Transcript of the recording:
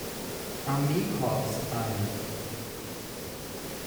Armeekorps ein.